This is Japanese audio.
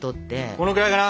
このぐらいかな？